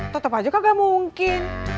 tetep aja kagak mungkin